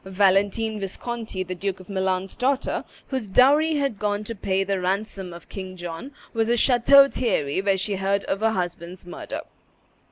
Valentine Visconti, the Duke of Milan's daughter, whose dowry had gone to pay the ransom of King John, was at Chateau Thierry when she heard of her husband's murder.